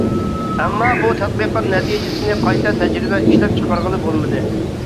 ئەمما بۇ تەتقىقات نەتىجىسىنى قايتا تەجرىبە ئىشلەپ چىقارغىلى بولمىدى.